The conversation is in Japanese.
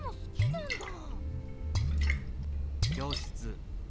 ななんだ？